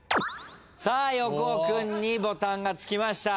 横尾君にボタンがつきました。